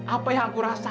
apa yang aku rasa